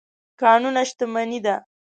کانونه شتمني ده.